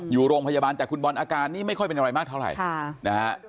อยู่โรงพยาบาลแต่คุณบอลอาการนี้ไม่ค่อยเป็นอะไรมากเท่าไหร่นะฮะ